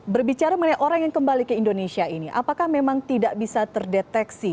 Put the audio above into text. berbicara mengenai orang yang kembali ke indonesia ini apakah memang tidak bisa terdeteksi